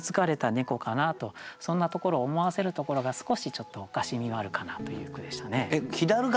そんなところを思わせるところが少しちょっとおかしみはあるかなという句でしたね。